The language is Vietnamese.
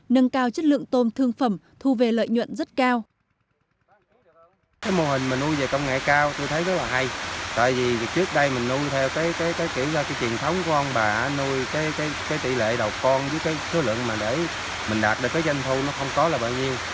nâng cao chất lượng tôm thương phẩm thu về lợi nhuận rất cao